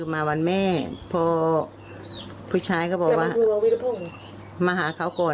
มาวันแม่พอผู้ชายก็บอกว่ามาหาเขาก่อน